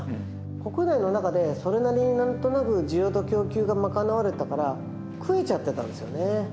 国内の中でそれなりになんとなく需要と供給がまかなわれたから食えちゃってたんですよね。